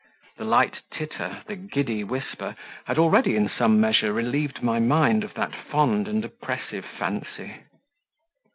The light titter, the giddy whisper, had already in some measure relieved my mind of that fond and oppressive fancy.